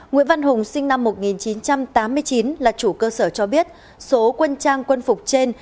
nguyễn văn hùng sinh năm một nghìn chín trăm tám mươi chín là chủ cơ sở cho biết số quân trang quân phục trên